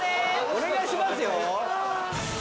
お願いしますよ。